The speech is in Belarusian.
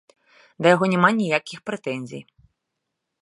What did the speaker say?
Да яго няма ніякіх прэтэнзій.